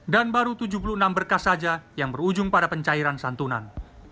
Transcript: dan baru tujuh puluh enam berkas saja yang berujung pada pencairan santunan